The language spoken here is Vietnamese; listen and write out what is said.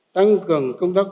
tăng cường công tác